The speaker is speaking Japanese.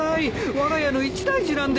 わが家の一大事なんです。